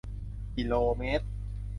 กิโลเมตร